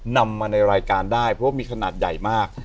นำมาในรายการได้เพราะว่ามีขนาดใหญ่มาก